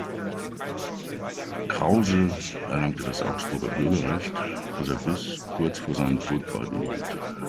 Krause erlangte das Augsburger Bürgerrecht, das er bis kurz vor seinem Tod beibehielt.